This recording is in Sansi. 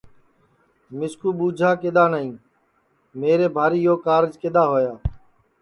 کہ مِسکو ٻوچھا کیوں نائی میرے بھاری یو کارج کِدؔا ہویا